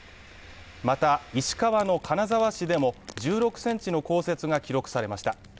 また石川の金沢市でも１６ｃｍの降雪が記録されました。